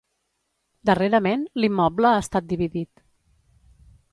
Darrerament, l'immoble ha estat dividit.